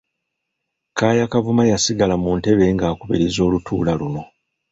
Kaaya Kavuma yasigala mu ntebe ng’akubiriza olutuula luno.